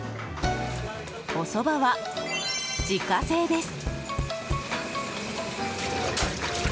おそばは自家製です。